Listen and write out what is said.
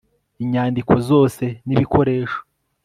inyandiko zose n ibikoresho